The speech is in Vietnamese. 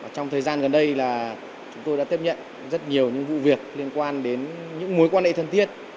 trong thời gian gần đây là chúng tôi đã tiếp nhận rất nhiều những vụ việc liên quan đến những mối quan hệ thân thiết